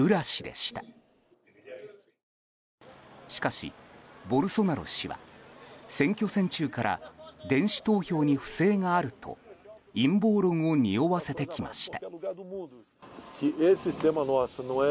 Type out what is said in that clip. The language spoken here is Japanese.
しかし、ボルソナロ氏は選挙戦中から電子投票に不正があると陰謀論をにおわせてきました。